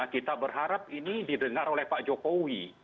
kita berharap ini didengar oleh pak jokowi